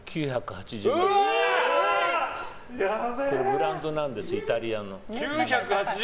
ブランドなんです、イタリアの。